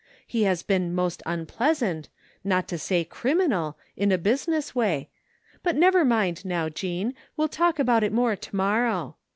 He has been most unpleasant, not to say crim inal, in a business way, — ^but never mind now, Jean, we'll talk about it more to morrow.